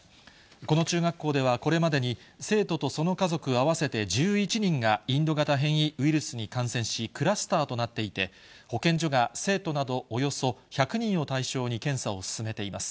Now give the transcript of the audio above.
この中学校ではこれまでに生徒とその家族合わせて１１人が、インド型変異ウイルスに感染し、クラスターとなっていて、保健所が生徒などおよそ１００人を対象に、検査を進めています。